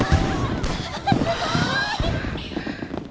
すごい！